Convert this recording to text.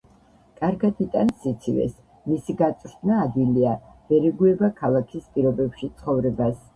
კარგად იტანს სიცივეს, მისი გაწვრთნა ადვილია, ვერ ეგუება ქალაქის პირობებში ცხოვრებას.